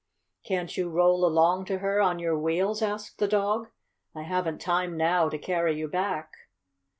"Can't you roll along to her on your wheels?" asked the dog. "I haven't time now to carry you back."